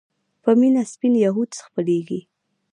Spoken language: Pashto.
په مينه سپين يهود خپلېږي